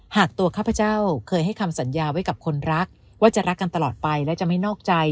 หากตัวข้าพเจ้าเคยให้คำสัญญาไว้กับคนรักว่าจะรักกันตลอดไปและจะไม่นอกใจ